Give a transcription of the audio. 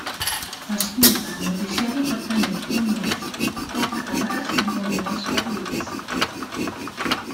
L'estudi per al noticiari pot tenir, com més, quatre càmeres amb moviments reduïts.